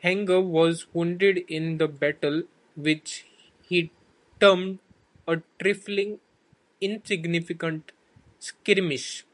Hanger was wounded in the battle, which he termed a "trifling insignificant skirmish".